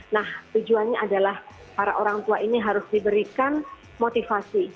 nah tujuannya adalah para orang tua ini harus diberikan motivasi